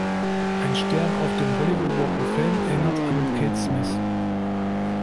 Ein Stern auf dem "Hollywood Walk of Fame" erinnert an Kate Smith.